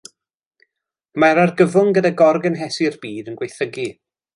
Mae'r argyfwng gyda gorgynhesu'r byd yn gwaethygu.